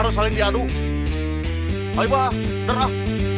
suka rindu sama abah